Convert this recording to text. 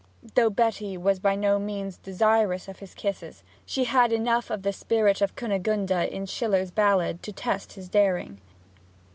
Though Betty by no means desired his kisses, she had enough of the spirit of Cunigonde in Schiller's ballad to test his daring.